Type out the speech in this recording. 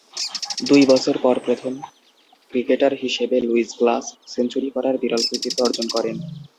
দুই বছর পর প্রথম ক্রিকেটার হিসেবে লুইস গ্লাস সেঞ্চুরি করার বিরল কৃতিত্ব অর্জন করেন।